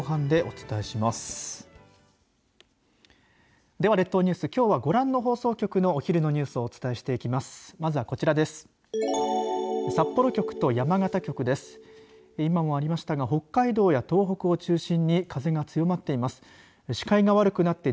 では列島ニュース、きょうはご覧の放送局のお昼のニュースをお伝えしていきます。